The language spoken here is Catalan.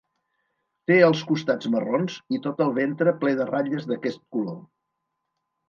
Té els costats marrons i tot el ventre ple de ratlles d'aquest color.